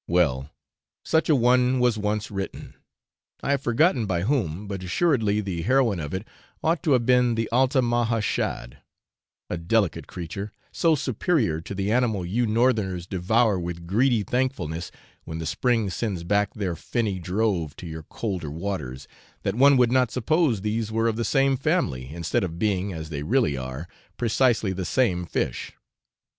Well, such a one was once written, I have forgotten by whom, but assuredly the heroine of it ought to have been the Altamaha shad a delicate creature, so superior to the animal you northerners devour with greedy thankfulness when the spring sends back their finny drove to your colder waters, that one would not suppose these were of the same family, instead of being, as they really are, precisely the same fish.